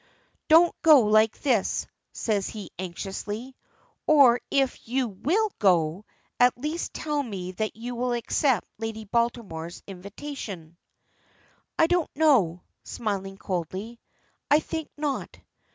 "Don't go like this," says he anxiously. "Or if you will go, at least tell me that you will accept Lady Baltimore's invitation." "I don't know," smiling coldly. "I think not.